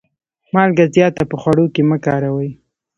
مالګه زیاته په خوړو کي مه کاروئ.